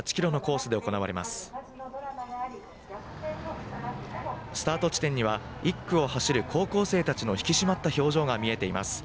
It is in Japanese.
スタート地点には１区を走る高校生たちの引き締まった表情が見えています。